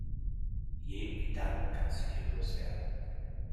Jeden Gedanken kannst du hier loswerden.